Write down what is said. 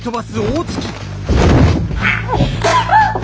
「あっ！」。